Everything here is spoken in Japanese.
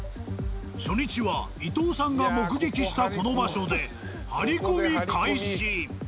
初日は伊藤さんが目撃したこの場所で張り込み開始。